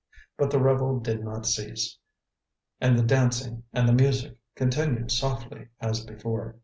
But the revel did not cease, and the dancing and the music continued softly as before.